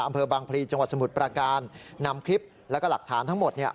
อำเภอบางพลีจังหวัดสมุทรประการนำคลิปแล้วก็หลักฐานทั้งหมดเนี่ย